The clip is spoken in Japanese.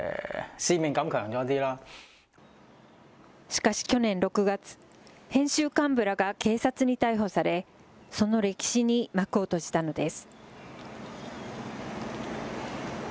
しかし去年６月、編集幹部らが警察に逮捕され、その歴史に幕を閉じたのです。